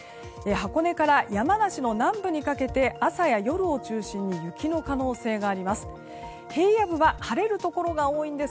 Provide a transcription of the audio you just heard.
箱根から山梨の南部にかけて明日や夜を中心に雪の可能性があります。